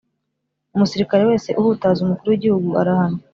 Umusirikare wese uhutaza umukuru w’igihugu arahanwa